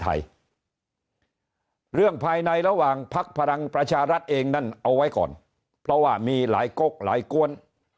เรื่องภายในระหว่างพักพลังประชารัฐเองนั่นเอาไว้ก่อนเพราะว่ามีหลายกกหลายกวน